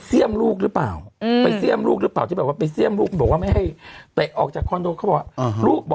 จริงแล้วขอเชิญกรอบไปสู่หลักฐานครับ